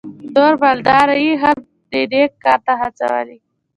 نور مالداره یې هم دې نېک کار ته هڅولي.